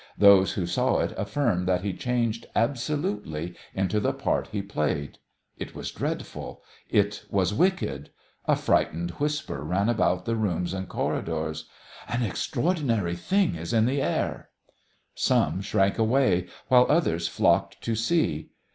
Those who saw it affirm that he changed absolutely into the part he played. It was dreadful; it was wicked. A frightened whisper ran about the rooms and corridors: "An extraordinary thing is in the air!" Some shrank away, while others flocked to see.